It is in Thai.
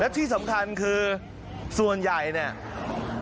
ที่สำคัญคือส่วนใหญ่เนี่ย